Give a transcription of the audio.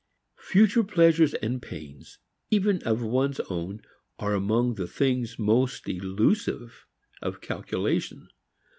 Future pleasures and pains, even of one's own, are among the things most elusive of calculation.